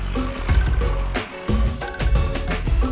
tidak ada pembahasannya